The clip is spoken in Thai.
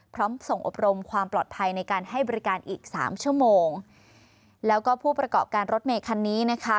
พร้อมส่งอบรมความปลอดภัยในการให้บริการอีกสามชั่วโมงแล้วก็ผู้ประกอบการรถเมคันนี้นะคะ